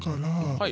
はい。